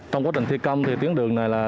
trong quá trình thi công thì tuyến đường này là